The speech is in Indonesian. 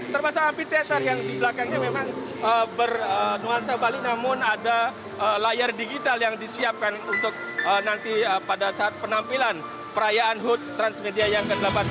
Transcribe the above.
termasuk api tester yang di belakangnya memang bernuansa bali namun ada layar digital yang disiapkan untuk nanti pada saat penampilan perayaan hood transmedia yang ke delapan belas